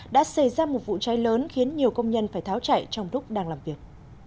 đã xây ra một vụ cháy lớn khiến nhiều công nhân phải tháo chảy trong lúc đang làm việc